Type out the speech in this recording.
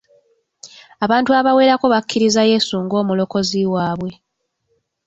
Abantu abawerako bakkirizza Yesu ng'omulokozi waabwe.